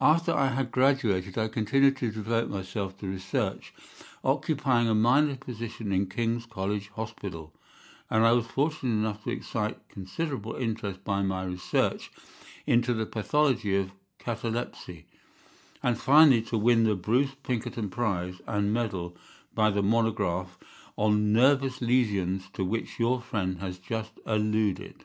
After I had graduated I continued to devote myself to research, occupying a minor position in King's College Hospital, and I was fortunate enough to excite considerable interest by my research into the pathology of catalepsy, and finally to win the Bruce Pinkerton prize and medal by the monograph on nervous lesions to which your friend has just alluded.